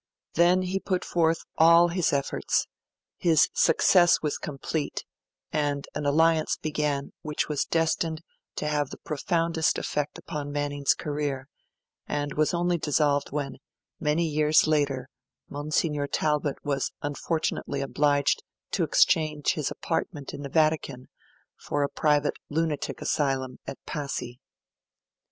Then he put forth all his efforts; his success was complete; and an alliance began which was destined to have the profoundest effect upon Manning's career, and was only dissolved when, many years later, Monsignor Talbot was unfortunately obliged to exchange his apartment in the Vatican for a private lunatic asylum at Passy.